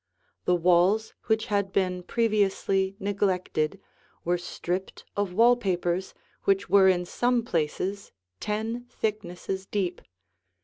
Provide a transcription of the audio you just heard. The walls, which had been previously neglected, were stripped of wall papers which were in some places ten thicknesses deep.